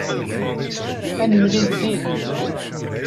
Ad nemlil din.